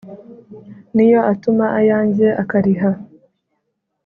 ni yo atuma ayanjye akariha,